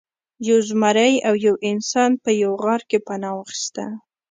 یو زمری او یو انسان په یوه غار کې پناه واخیسته.